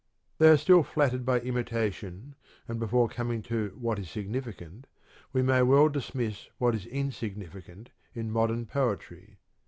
They are still flattered by imitation and before coming to what is significant, we may well dismiss what is insignificant in modern poetry.